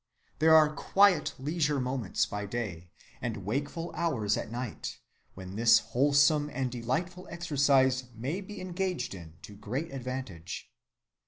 There are quiet leisure moments by day, and wakeful hours at night, when this wholesome and delightful exercise may be engaged in to great advantage.